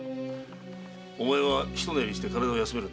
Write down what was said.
お前はひと寝入りして体を休めるんだ。